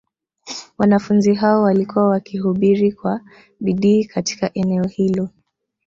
Wanafunzi hao walikuwa wakihubiri kwa bidii katika eneo hilo